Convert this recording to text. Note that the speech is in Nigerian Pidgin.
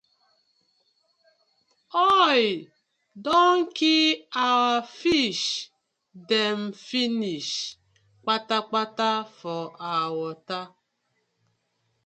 Oil don kii our fish dem finish kpatakpata for our wata.